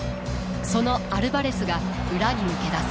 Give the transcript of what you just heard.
そのアルバレスが裏に抜け出す。